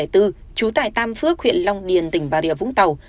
trú tại tam phước huyện long điền tỉnh bà rịa vũng tàu